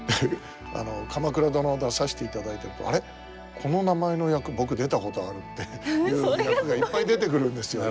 「鎌倉殿」出させていただいてると「あれ？この名前の役僕出たことある」っていう役がいっぱい出てくるんですよ。